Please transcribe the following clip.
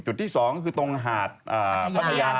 หรือที่สองคือตรงหาดพัทยา